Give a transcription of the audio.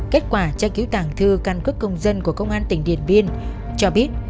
kết quả tra cứu tàng thư căn cước công dân của công an tỉnh điện biên cho biết